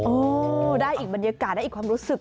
โอ้ได้อีกบรรยากาศได้อีกความรู้สึก